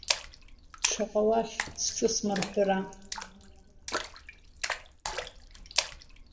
Шаҟа уахь сҿы смырҳәра!